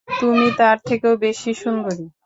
তুমি তার থেকেও বেশি সুন্দরী।